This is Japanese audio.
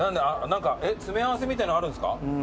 詰め合わせみたいのあるんすか？